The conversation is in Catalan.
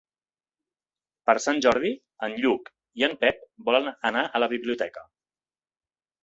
Per Sant Jordi en Lluc i en Pep volen anar a la biblioteca.